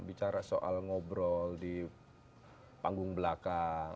bicara soal ngobrol di panggung belakang